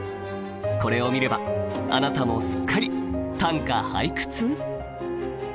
これを見ればあなたもすっかり短歌・俳句通！？